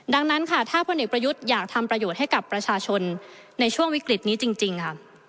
ดังนั้นค่ะถ้าพลเอกประยุทธ์อยากทำประโยชน์ให้กับประชาชนในช่วงวิกฤตนี้จริงค่ะ